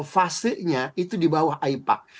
fasihnya itu di bawah aipac